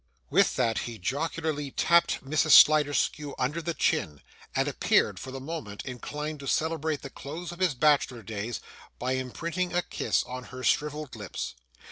With that, he jocularly tapped Mrs. Sliderskew under the chin, and appeared, for the moment, inclined to celebrate the close of his bachelor days by imprinting a kiss on her shrivelled lips.